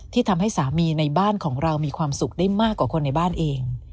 ทำให้สามีในบ้านของเรามีความสุขได้มากกว่าคนในบ้านเอง